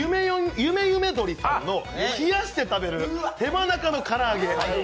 努努鶏さんの冷やして食べる手羽中のから揚げ。